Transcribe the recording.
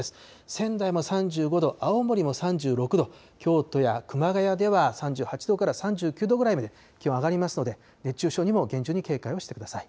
仙台も３５度、青森も３６度、京都や熊谷では３８度から３９度ぐらいまで気温上がりますので、熱中症にも厳重に警戒をしてください。